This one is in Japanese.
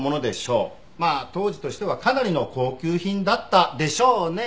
まあ当時としてはかなりの高級品だったでしょうね。